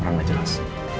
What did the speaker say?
orang gak jelas